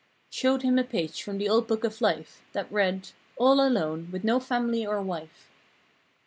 Showed him a page from the old book of life— That read—"All alone, with no family or wife!"